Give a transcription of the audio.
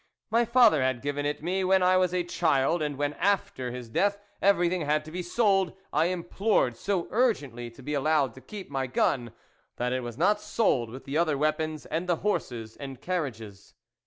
My father had given it me when I was a child, and when, after his death, everything had to be sold, I im plored so urgently to be allowed to keep my gun, that it was not sold with the other weapons, and the horses and carriages.